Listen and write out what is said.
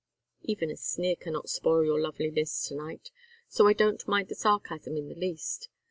"Even a sneer cannot spoil your loveliness to night, so I don't mind the sarcasm in the least.